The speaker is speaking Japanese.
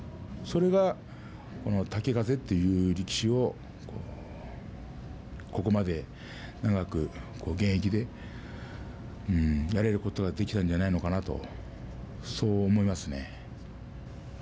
それが豪風という力士をここまで長く現役でやれることができたんではないのかなと、そう思いますね。